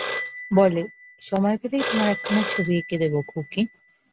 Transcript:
বলে, সময় পেলেই তোমার একখানা ছবি এঁকে দেব খুকি!